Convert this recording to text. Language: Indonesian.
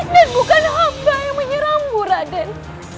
dan bukan amba yang menyerangku raden